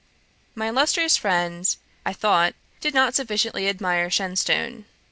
My illustrious friend, I thought, did not sufficiently admire Shenstone.